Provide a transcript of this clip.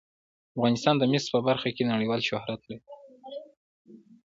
افغانستان د مس په برخه کې نړیوال شهرت لري.